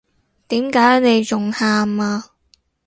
點解你仲喊呀？